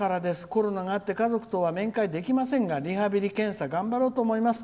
コロナがあって家族とは面会できませんがリハビリ検査を頑張ろうと思います。